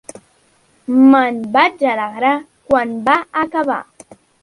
Me'n vaig alegrar quan va acabar.